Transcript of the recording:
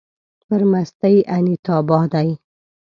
پر مستۍ انيتابا دی